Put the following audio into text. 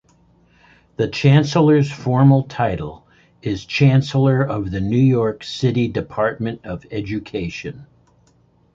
The Chancellor's formal title is Chancellor of the New York City Department of Education.